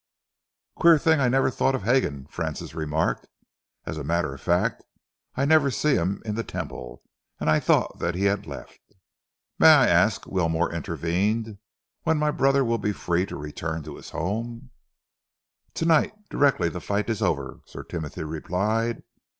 "Queer thing I never thought of Hagon," Francis remarked. "As a matter of fact, I never see him in the Temple, and I thought that he had left." "May I ask," Wilmore intervened, "when my brother will be free to return to his home?" "To night, directly the fight is over," Sir Timothy replied.